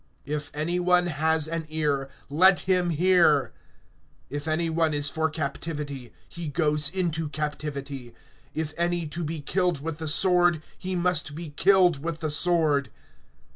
(9)If any one has an ear, let him hear. (10)If any one is for captivity, he goes into captivity; if any to be killed with the sword, he must be killed with the sword.